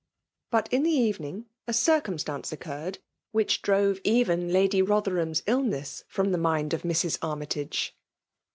But in the evening a circumstance occurred, which drove even Lady Botherhun's illness from the mind of Mrs. Armytage.